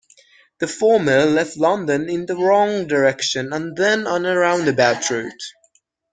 The former left London in the wrong direction and then on a roundabout route.